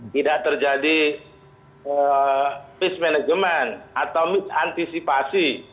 tidak terjadi mismanagement atau misantisipasi